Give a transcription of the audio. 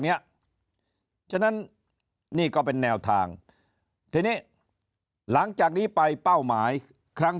เนี้ยฉะนั้นนี่ก็เป็นแนวทางทีนี้หลังจากนี้ไปเป้าหมายครั้ง